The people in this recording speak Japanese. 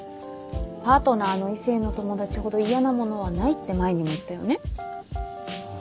パートナーの異性の友達ほど嫌なものはないって前にも言ったよね？